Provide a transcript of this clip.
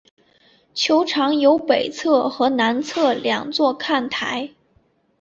球场有北侧和南侧两座看台。